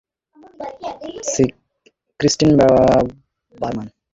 জিগি, সে ক্রিস্টিন, তার আসল নাম, ক্রিস্টিন বারম্যান।